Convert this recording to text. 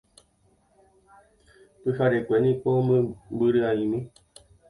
Pyharekue niko mbyry'áimi.